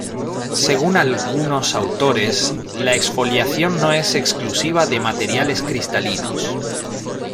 Según algunos autores la exfoliación no es exclusiva de materiales cristalinos.